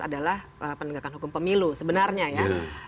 adalah penegakan hukum pemilu sebenarnya ya